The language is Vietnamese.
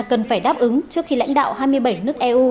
cần phải đáp ứng trước khi lãnh đạo hai mươi bảy nước eu